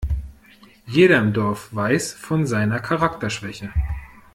Jeder im Dorf weiß von seiner Charakterschwäche.